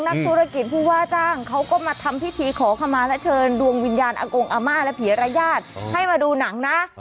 นักธุรกิจผู้ว่าจ้างเขาก็มาทำพิธีขอขมาและเชิญดวงวิญญาณอากงอาม่าและผีระญาติให้มาดูหนังนะ